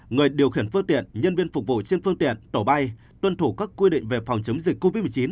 người điều khiển phương tiện nhân viên phục vụ trên phương tiện tổ bay tuân thủ các quy định về phòng chống dịch covid một mươi chín